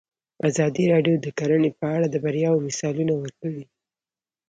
ازادي راډیو د کرهنه په اړه د بریاوو مثالونه ورکړي.